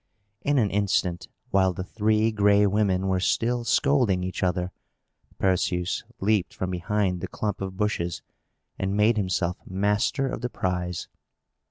In an instant, while the Three Gray Women were still scolding each other, Perseus leaped from behind the clump of bushes, and made himself master of the prize.